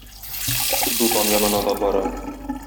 Дутан янына да бара.